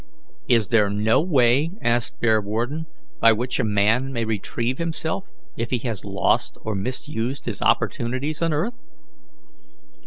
"Is there no way," asked Bearwarden, "by which a man may retrieve himself, if he has lost or misused his opportunities on earth?"